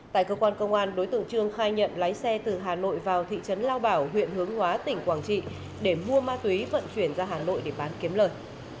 tại cơ quan công an đối tượng trương khai nhận lái xe từ hà nội vào thị trấn lao bảo huyện hướng hóa tỉnh quảng trị để mua ma túy vận chuyển ra hà nội để bán kiếm lời